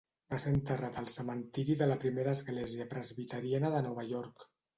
Va ser enterrat al cementiri de la primera església presbiteriana de Nova York.